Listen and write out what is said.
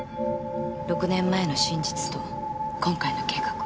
６年前の真実と今回の計画を。